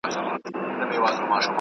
موږ نسو کولای له نړۍ شاته پاته سو.